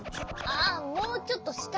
あもうちょっとした。